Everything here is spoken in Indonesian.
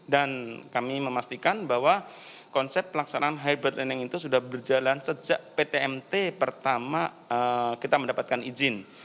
dan kami memastikan bahwa konsep pelaksanaan hybrid learning itu sudah berjalan sejak ptmt pertama kita mendapatkan izin